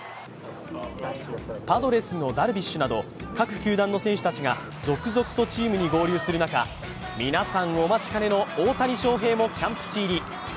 パドレスのダルビッシュなど各球団の選手たちが続々とチームに合流する中皆さんお待ちかねの大谷翔平もキャンプ地入り。